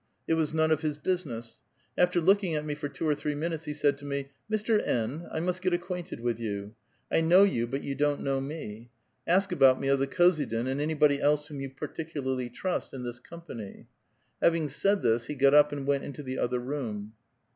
It was none of his business. After looking at me for two or three minutes, he said to me: ''Mr. N., I must get acquainted with you ; I know you, but you don't know me. Ask about me of the khozydin^ and anybody else whom you particularly trust, in this company." Having said this, he got up and went into the other room.